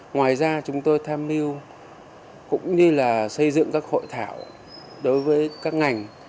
ngoài ra chúng tôi tham mưu cũng như là xây dựng các hội thảo đối với các ngành